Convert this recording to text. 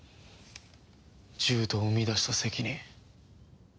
獣人を生み出した責任